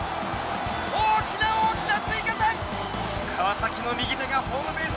大きな大きな追加点！